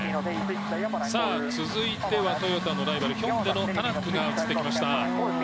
続いてはトヨタのライバルヒョンデのタナックが映ってきました。